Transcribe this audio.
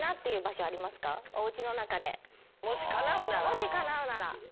もしかなうなら。